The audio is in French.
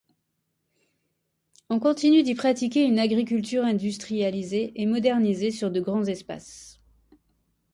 On continue d'y pratiquer une agriculture industrialisée et modernisée sur de grands espaces.